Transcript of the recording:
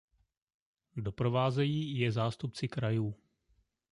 Doprovázejí je zástupci krajů.